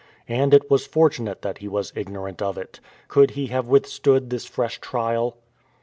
And it was fortunate that he was ignorant of it. Could he have withstood this fresh trial?